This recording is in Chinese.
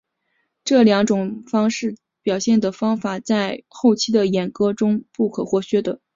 这两种表现的方法在后期的演歌中是不可或缺的。